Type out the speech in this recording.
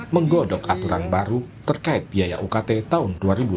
menggodok aturan baru terkait biaya ukt tahun dua ribu dua puluh